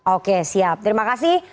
oke siap terima kasih